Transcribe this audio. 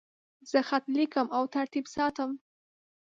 زه خط لیکم او ترتیب ساتم.